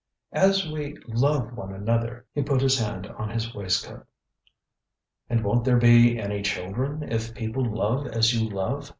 ŌĆØ ŌĆ£_As we love_ one another. ŌĆØ He put his hand on his waistcoat. ŌĆ£And wonŌĆÖt there be any children if people love as you love?